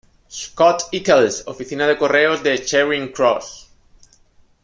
Scott Eccles, oficina de Correos de Charing Cross.